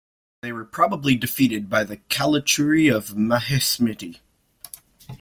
They were probably defeated by the Kalachuri of Mahismati.